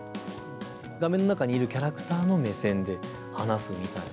画面の中にいるキャラクターの目線で話すみたいな。